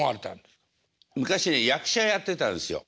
昔は役者やってたんですよ。